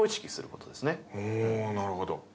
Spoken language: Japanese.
おなるほど。